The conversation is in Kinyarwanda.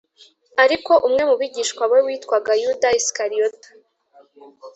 Ariko umwe mu bigishwa be witwaga Yuda Isikariyota